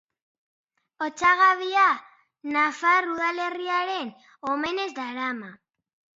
Otsagabia nafar udalerriaren omenez darama.